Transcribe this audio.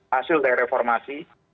hasil dari reformasi